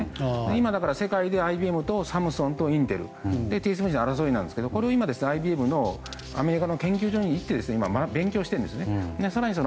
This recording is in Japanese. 今、世界でＩＢＭとサムスンとインテルとＴＳＭＣの争いなんですがこれをＩＢＭのアメリカの研究所に行って勉強しています。